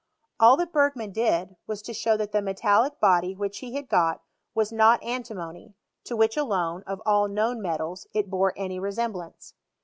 All that Bergman did was to show that the metallic body which he had got was not antimony, to which alone, of all known metals, it bore any resemblance.